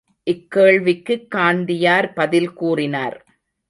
இக்கேள்விக்குக் காந்தியார் பதில் கூறினார்.